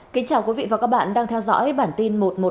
cảm ơn các bạn đã theo dõi